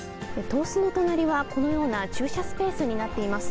東司の隣はこのような駐車スペースになっています。